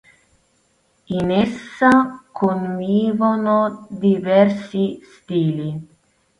In essa convivono diversi stili.